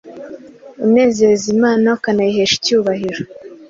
unezeza Imana ukanayihesha icyubahiro.